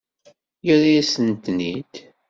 Yerra-yasent-ten-id?